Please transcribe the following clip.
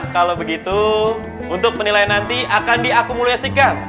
kalau begitu untuk penilaian nanti akan diakumulasikan